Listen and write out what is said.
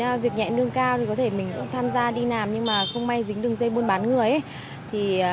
nghĩ đến việc nhẹn đường cao thì có thể mình cũng tham gia đi nàm nhưng mà không may dính đường dây buôn bán người